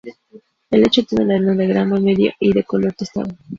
El lecho tiene la arena de grano medio y de color tostado.